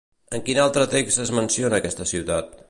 En quin altre text es menciona aquesta ciutat?